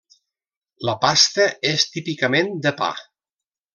La pasta és típicament de pa.